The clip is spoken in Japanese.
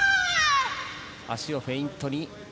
足をフェイントに。